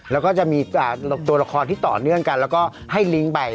แล้วก็จะมีตัวละครที่ต่อเนื่องกันแล้วก็ให้ลิงก์ไป